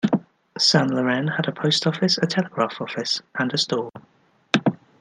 Saint Laurent had a post office, a telegraph office and a store.